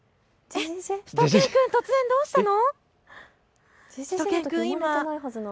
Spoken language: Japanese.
しゅと犬くん、突然どうしたの？